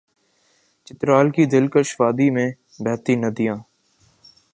چترال کی دل کش وادی میں بہتی ندیاں